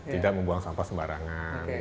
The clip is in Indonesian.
tidak membuang sampah sembarangan